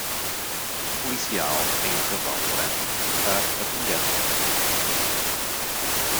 Um policial em um cavalo branco está patrulhando as ruas da cidade.